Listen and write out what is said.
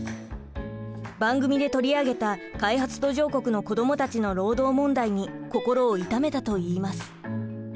番組で取り上げた開発途上国の子供たちの労働問題に心を痛めたといいます。